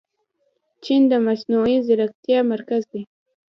چین د مصنوعي ځیرکتیا مرکز دی.